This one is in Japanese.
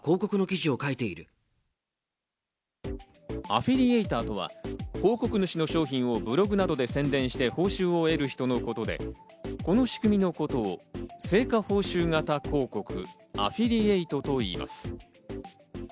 アフィリエイターとは広告主の商品をブログなどで宣伝して報酬を得る人のことで、この仕組みのことを成果報酬型広告＝アフィリエイトといいます。